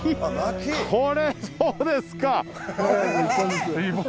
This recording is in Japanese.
これそうですか。